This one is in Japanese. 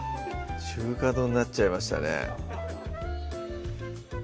中華丼になっちゃいましたね